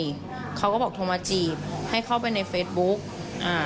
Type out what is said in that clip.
เขาก็บอกโทรมาจีบให้เข้าไปในเฟซบุ๊กอ่า